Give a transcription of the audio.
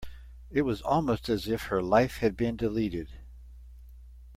It was almost as if her life had been deleted.